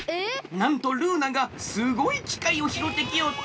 なんとルーナがすごいきかいをひろってきよった！